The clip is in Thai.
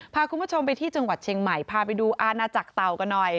พาคุณผู้ชมไปที่จังหวัดเชียงใหม่พาไปดูอาณาจักรเต่ากันหน่อย